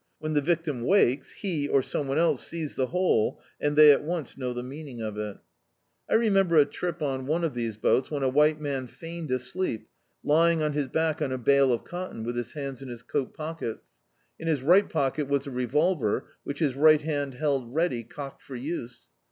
When the victim wakes he, or s(»ne one else, sees the hole, and they at once know the meaning of it. I remember a trip on one [>43] Dn.icdt, Google The Autobiography of a Super Tramp of these boats when a white man feigned a sleep, lying on his back on a bale of cotton* with his hands in his coat pockets. In his right pocket was a re volver, which his ri^t hand held ready cocked for use.